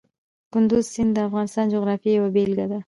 کندز سیند د افغانستان د جغرافیې یوه بېلګه ده.